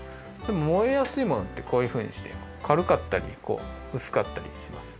もえやすいものってこういうふうにしてかるかったりうすかったりします。